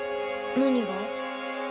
何が？